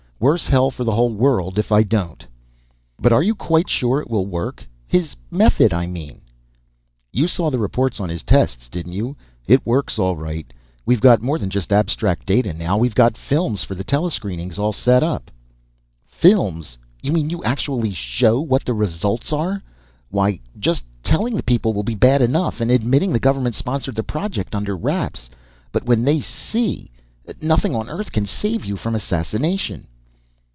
Worse hell for the whole world if I don't." "But are you quite sure it will work? His method, I mean?" "You saw the reports on his tests, didn't you? It works, all right. We've got more than just abstract data, now. We've got films for the telescreenings all set up." "Films? You mean you'll actually show what the results are? Why, just telling the people will be bad enough. And admitting the government sponsored the project under wraps. But when they see, nothing on earth can save you from assassination."